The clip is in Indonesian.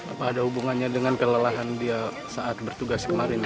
apa ada hubungannya dengan kelelahan dia saat bertugas kemarin